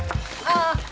ああ。